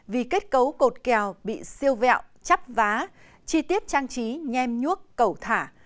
vì kết cấu cột kèo bị siêu vẹo chắp vá chi tiết trang trí nhem nhuốc cẩu thả